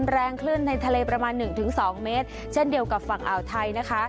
แรงคลื่นในทะเลประมาณ๑๒เมตรเช่นเดียวกับฝั่งอ่าวไทยนะคะ